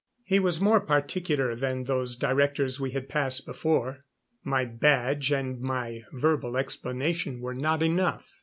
He was more particular than those directors we had passed before. My badge and my verbal explanation were not enough.